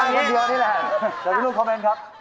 นี่แหละเดี๋ยวพี่ลูกคอมเมนต์ครับ